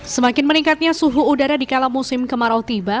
semakin meningkatnya suhu udara di kala musim kemarau tiba